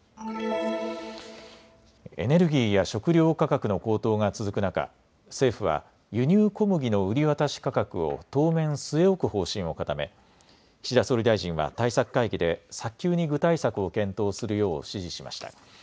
エネルギーや食料価格の高騰が続く中、政府は輸入小麦の売り渡し価格を当面、据え置く方針を固め岸田総理大臣は対策会議で早急に具体策を検討するよう指示しました。